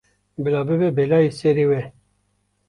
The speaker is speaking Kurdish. Bila bibe belayê serê we.